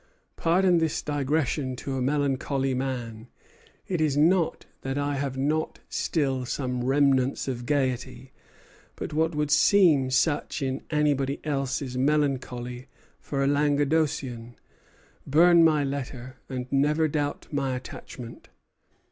Pardon this digression to a melancholy man. It is not that I have not still some remnants of gayety; but what would seem such in anybody else is melancholy for a Languedocian. Burn my letter, and never doubt my attachment."